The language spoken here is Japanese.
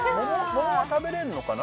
桃は食べれるのかな？